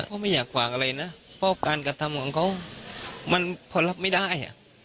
ก็ไม่อยากขวางอะไรนะเพราะการกระทำของเขามันพอรับไม่ได้